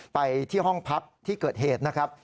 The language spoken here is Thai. ไปที่ห้องพักที่เกิดเหตุนะครับ